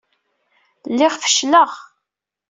Lliɣ fecleɣ.